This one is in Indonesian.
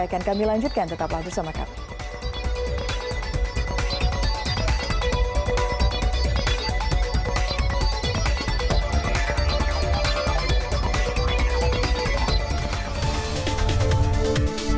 akan kami lanjutkan tetap langsung sama kami